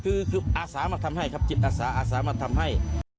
คืออาสามาทำให้ครับจิตอาสาอาสามาทำให้